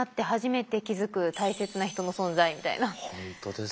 本当ですよ。